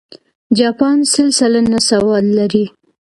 جاپان سل سلنه سواد لري.